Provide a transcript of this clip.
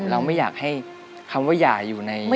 แล้วไม่อยากให้คำว่าหย่าอยู่ในประวัติ